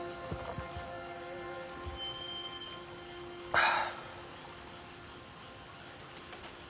はあ。